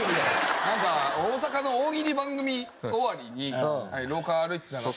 なんか大阪の大喜利番組終わりに廊下歩いてたらしいんですよ。